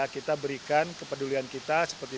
kita berikan kepedulian kita